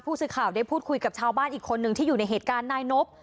ผู้สื่อข่าวได้พูดคุยกับชาวบ้านอีกคนนึงที่อยู่ในเหตุการณ์นายนบ